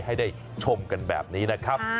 ให้ได้ชมกันแบบนี้นะครับ